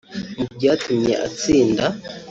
Mu byatumye atsinda